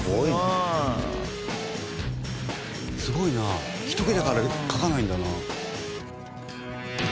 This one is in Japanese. すごいな１桁から書かないんだな。